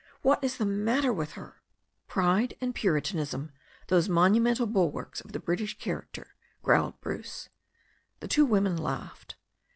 What is the matter with her ?" "Pride and Puritanism, those monumental bulwarks of the British character," growled Bruce. The two women laughed.